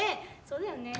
そうだよね